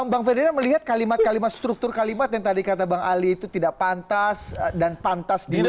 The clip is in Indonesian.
bang ferdinand melihat kalimat kalimat struktur kalimat yang tadi kata bang ali itu tidak pantas dan pantas dinilai